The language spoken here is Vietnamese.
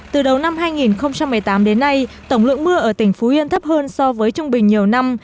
từ đầu năm hai nghìn một mươi tám đến nay tổng lượng mưa ở tỉnh phú yên thấp hơn so với trung bình nhiều năm